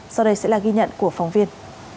sau đây sẽ là ghi nhận của phóng viên